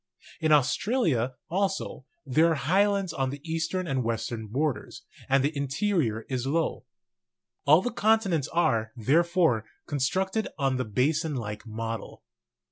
In Australia, also, there are highlands on the eastern and western borders, and the interior is low. All the continents are, therefore, con structed on the basin like model.